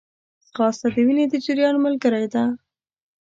ځغاسته د وینې د جریان ملګری ده